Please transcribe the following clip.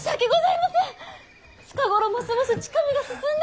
近頃ますます近目が進んで。